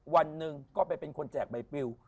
วันหนึ่งก็ไปเป็นคนแจกใบปิว